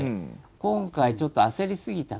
今回ちょっと焦りすぎたのかな？